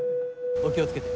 お気を付けて。